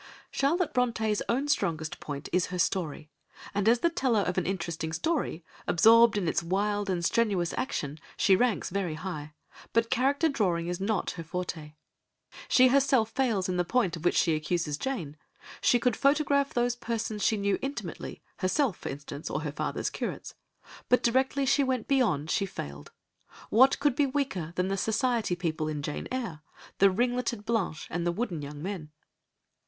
Charlotte Brontë's own strongest point is her story, and as the teller of an interesting story, absorbing in its wild and strenuous action, she ranks very high, but character drawing is not her forte. She herself fails in the point of which she accuses Jane, she could photograph those persons she knew intimately,—herself for instance, or her father's curates,—but directly she went beyond, she failed; what could be weaker than the society people in Jane Eyre,—the ringletted Blanche and the wooden young men?